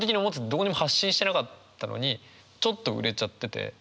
どこにも発信してなかったのにちょっと売れちゃってて。